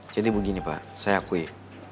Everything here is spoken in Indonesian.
jadi begini pak saya akui